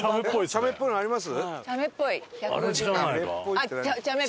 茶目っぽいのあります？